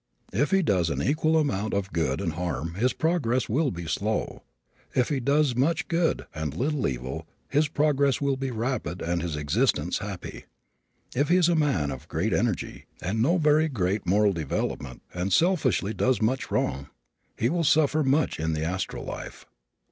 If he does an equal amount of good and harm his progress will be slow. If he does much good and little evil his progress will be rapid and his existence happy. If he is a man of great energy, and no very great moral development, and selfishly does much wrong, he will suffer much in the astral life.